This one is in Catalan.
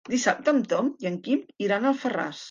Dissabte en Tom i en Quim iran a Alfarràs.